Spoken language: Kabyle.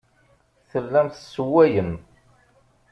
Tellam tessewwayem.